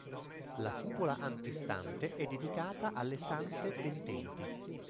La cupola antistante è dedicata alle sante penitenti.